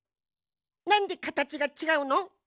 なんでかたちがちがうの？